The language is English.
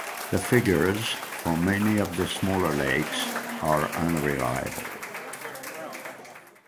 The figures for many of the smaller lakes are unreliable.